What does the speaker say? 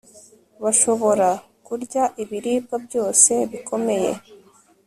bashobora kurya ibiribwa byose bikomeye